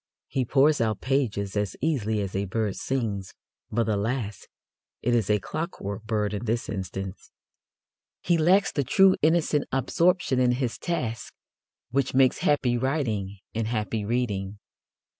He pours out pages as easily as a bird sings, but, alas! it is a clockwork bird in this instance. He lacks the true innocent absorption in his task which makes happy writing and happy reading.